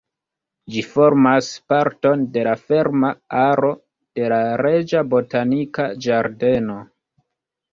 Ĝi formas parton de la ferma aro de la Reĝa Botanika Ĝardeno.